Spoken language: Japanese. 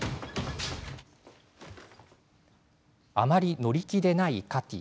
あまり乗り気でないカティ。